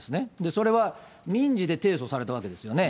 それは、民事で提訴されたわけですよね。